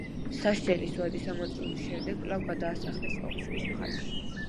სასჯელის ვადის ამოწურვის შემდეგ კვლავ გადაასახლეს ომსკის მხარეში.